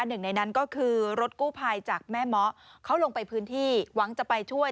หนึ่งในนั้นก็คือรถกู้ภัยจากแม่เมาะเขาลงไปพื้นที่หวังจะไปช่วย